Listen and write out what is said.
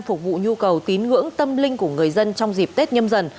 phục vụ nhu cầu tín ngưỡng tâm linh của người dân trong dịp tết nhâm dần